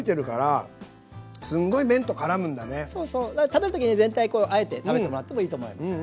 食べる時に全体あえて食べてもらってもいいと思います。